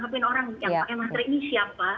yang pakai masker ini siapa